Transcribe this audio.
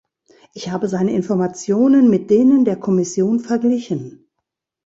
Ich habe seine Informationen mit denen der Kommission verglichen.